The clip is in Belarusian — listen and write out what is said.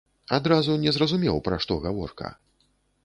Адразу не зразумеў, пра што гаворка.